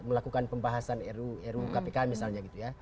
melakukan pembahasan ru kpk misalnya